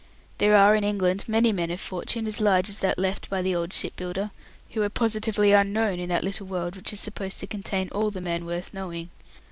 There are in England many men of fortune, as large as that left by the old ship builder, who are positively unknown in that little world which is supposed to contain all the men worth knowing.